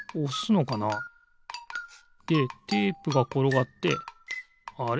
でテープがころがってあれ？